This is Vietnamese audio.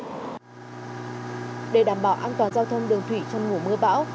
để đảm bảo an toàn giao thông đường thủy trong mùa mưa bão